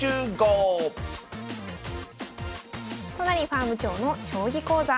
都成ファーム長の将棋講座。